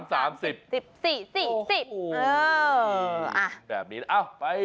โอ้โฮโอ้โฮอ่าแบบนี้